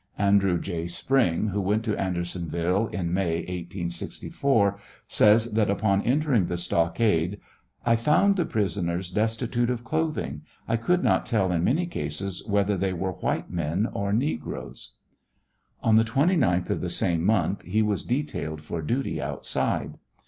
Andrew J. Spring, who went to Andersonville in May, 1864, says, that upon entering the stockade, " I found the prisoners destitute of clothing ; I could not tell in many cases whether they were white men or negroes." On the 29th of the same month he was detailed for duty outside.